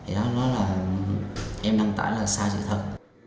thì đó là em đăng tải là sao sự thật